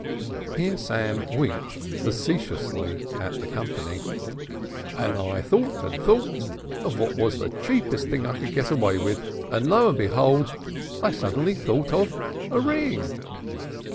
Here Sam winked facetiously at the company. "And I thought and thought of what was the cheapest thing I could get out of it with, and lo and behold I suddenly thought of a ring."